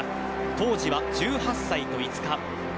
当時は１８歳と５日。